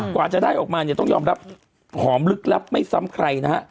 กว่าจะได้ออกมาเนี่ยต้องยอมรับหอมลึกลับไม่ซ้ำใครนะฮะ